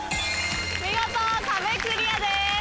見事壁クリアです。